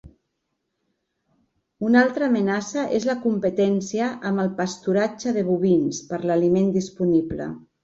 Una altra amenaça és la competència amb el pasturatge de bovins per l'aliment disponible.